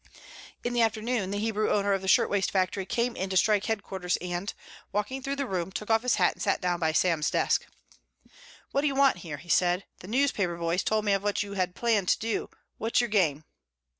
In the afternoon the Hebrew owner of the shirtwaist factory came in to strike headquarters and, walking through the room took off his hat and sat down by Sam's desk. "What do you want here?" he asked. "The newspaper boys told me of what you had planned to do. What's your game?"